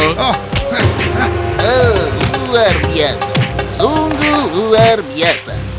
oh luar biasa sungguh luar biasa